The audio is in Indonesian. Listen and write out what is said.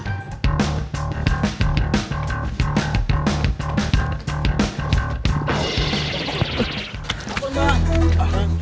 tidak ada yang bisa dihukum